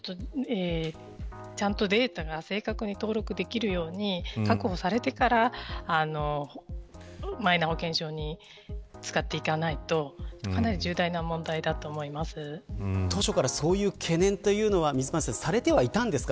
ちゃんとデータが正確に登録できるように確保されてからマイナ保険証使っていかないと当初からそういう懸念はされていたんですか。